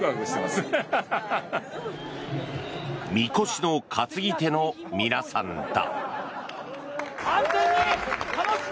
みこしの担ぎ手の皆さんだ。